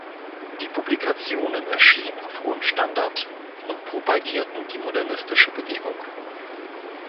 Die Publikationen erschienen auf hohem Standard und propagierten die modernistische Bewegung.